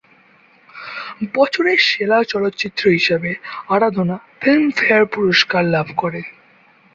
বছরের সেরা চলচ্চিত্র হিসেবে "আরাধনা" ফিল্মফেয়ার পুরস্কার লাভ করে।